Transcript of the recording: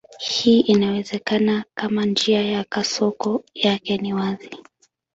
Hii inawezekana kama njia ya kasoko yake ni wazi.